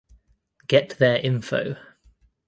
Get their info.